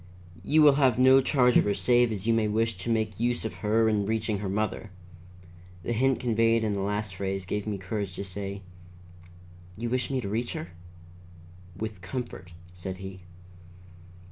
You will have no charge of her save as you may wish to make use of her in reaching the mother." The hint conveyed in the last phrase gave me courage to say: "You wish me to reach her?" "With comfort," said he.